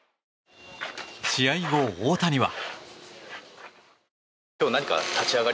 試合後、大谷は。